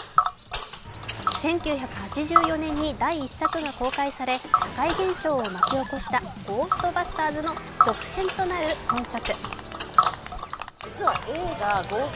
１９８４年に第１作が公開され社会現象を巻き起こした「ゴーストバスターズ」の続編となる今作。